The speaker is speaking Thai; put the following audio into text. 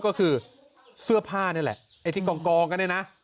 ก็คือเสื้อผ้านี่แหละไอ้ที่กองกันเนี่ยนะ